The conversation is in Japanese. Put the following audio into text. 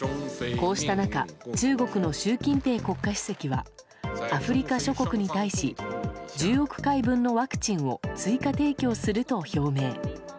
こうした中中国の習近平国家主席はアフリカ諸国に対し１０億回分のワクチンを追加提供すると表明。